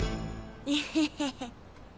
エヘヘヘ。